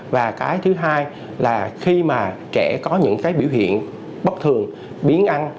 và cái thứ hai là khi mà trẻ có những cái biểu hiện bất thường biến ăn